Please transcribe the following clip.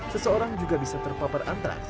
seseorang juga bisa terpapar antraks